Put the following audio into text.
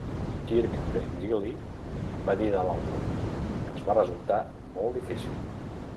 Kirk Pengilly va dir de l'àlbum: "Ens va resultar molt difícil".